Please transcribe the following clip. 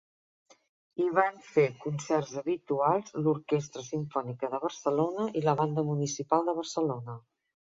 Hi van fer concerts habituals l'Orquestra Simfònica de Barcelona i la Banda Municipal de Barcelona.